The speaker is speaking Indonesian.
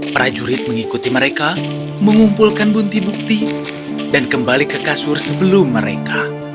prajurit mengikuti mereka mengumpulkan bunti bukti dan kembali ke kasur sebelum mereka